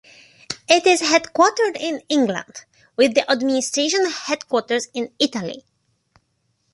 It is headquartered in England, with the administration headquarters in Italy.